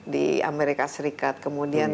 di amerika serikat kemudian